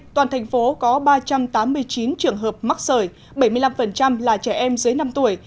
toàn thành phố có ba trăm tám mươi chín trường hợp mắc sởi bảy mươi năm là trẻ em dưới năm tuổi